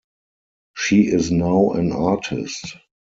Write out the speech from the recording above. She is now an artist.